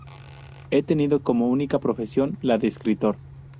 Ha tenido como única profesión la de escritor.